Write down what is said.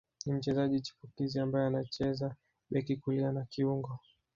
Ni mchezaji chipukizi ambaye anacheza beki kulia na kiungo